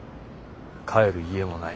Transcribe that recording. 帰る家もない。